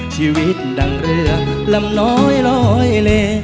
ชีวิตดังเรือลำน้อยลอยเล